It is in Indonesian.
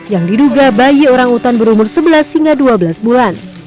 yang diduga bayi orangutan berumur sebelas hingga dua belas bulan